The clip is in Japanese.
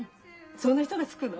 そんな人がつくの？